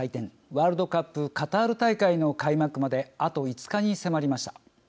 ワールドカップカタール大会の開幕まであと５日に迫りました。